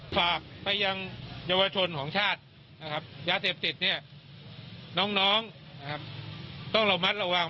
ฝากไปยังเยาวชนของชาตินะครับยาเสพสิทธิ์เนี่ยน้องต้องเรามัดระวัง